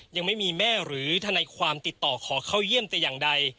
ยังไม่มีแม่หรือทนายความติดต่อขอเข้าเยี่ยมแต่อย่างใด